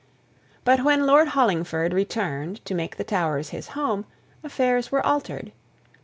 But when Lord Hollingford returned to make the Towers his home, affairs were altered.